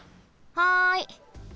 はい。